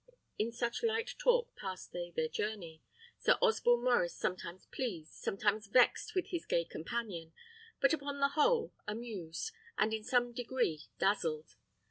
In such light talk passed they their journey, Sir Osborne Maurice sometimes pleased, sometimes vexed with his gay companion, but upon the whole, amused, and in some degree dazzled.